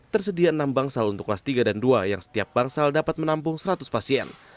tersedia enam bangsal untuk kelas tiga dan dua yang setiap bangsal dapat menampung seratus pasien